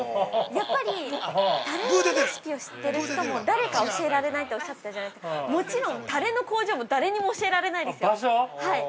やっぱりタレのレシピを知っている人も誰か教えられないとおっしゃったじゃないですか、もちろんタレの工場も誰にも教えられないですよ。